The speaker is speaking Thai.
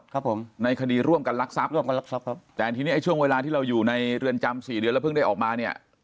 ครับผมในคดีร่วมกันลักทรัพย์ร่วมกันรักทรัพย์แต่ทีนี้ไอ้ช่วงเวลาที่เราอยู่ในเรือนจำสี่เดือนแล้วเพิ่งได้ออกมาเนี่ย